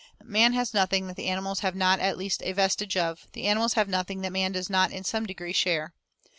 Man has nothing that the animals have not at least a vestige of, the animals have nothing that man does not in some degree share.